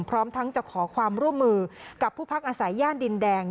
พร้อมทั้งจะขอความร่วมมือกับผู้พักอาศัยย่านดินแดง